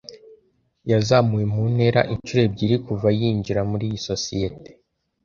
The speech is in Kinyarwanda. Yazamuwe mu ntera inshuro ebyiri kuva yinjira muri iyi sosiyete.